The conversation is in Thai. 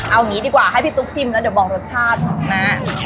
เอางี้ดีกว่าให้พี่ตุ๊กชิมแล้วเดี๋ยวบอกรสชาติแม่